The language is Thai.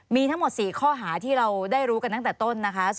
มีทั้งหมด๔ข้อหาที่เราได้รู้กันตั้งแต่ต้นนะคะ